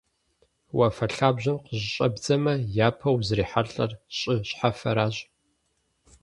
Уафэ лъабжьэм къыщыщӀэбдзэмэ, япэу узрихьэлӀэр щӀы щхьэфэращ.